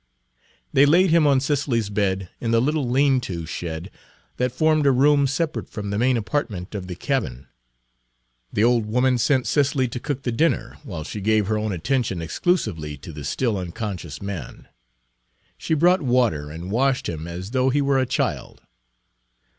They laid him on Cicely's bed in the little lean to shed that formed a room separate from the main apartment of the cabin. The old woman sent Cicely to cook the dinner, while Page 143 she gave her own attention exclusively to the still unconscious man. She brought water and washed him as though he were a child.